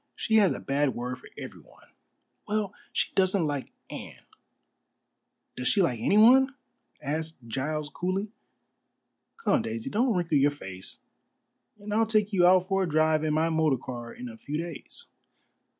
"She has a bad word for everyone." "Well, she doesn't like Anne." "Does she like anyone?" asked Giles coolly. "Come, Daisy, don't wrinkle your face, and I'll take you out for a drive in my motor car in a few days."